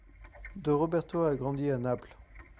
De Roberto a grandi à Naples.